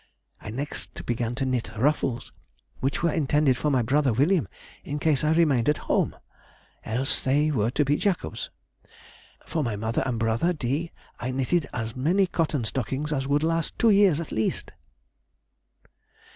I next began to knit ruffles, which were intended for my brother William in case I remained at home—else they were to be Jacob's. For my mother and brother D. I knitted as many cotton stockings as would last two years at least."